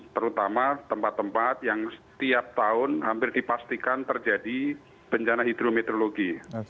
terutama tempat tempat yang setiap tahun hampir dipastikan terjadi bencana hidrometeorologi